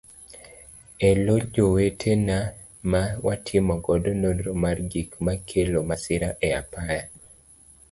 Elo jowetena ma watimo godo nonro mar gik makelo masira e apaya.